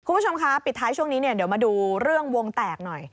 คุณผู้ชมคะปิดท้ายช่วงนี้เนี่ยเดี๋ยวมาดูเรื่องวงแตกหน่อย